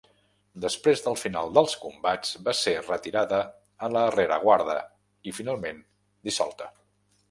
Després del final dels combats va ser retirada a la rereguarda i finalment dissolta.